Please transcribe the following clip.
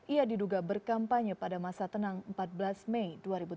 ia diduga berkampanye pada masa tenang empat belas mei dua ribu tujuh belas